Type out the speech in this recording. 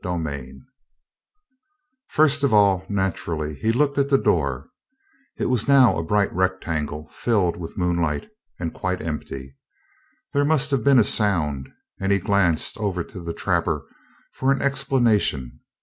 CHAPTER 21 First of all, naturally, he looked at the door. It was now a bright rectangle filled with moonlight and quite empty. There must have been a sound, and he glanced over to the trapper for an explanation.